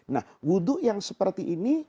nah wudhu yang seperti ini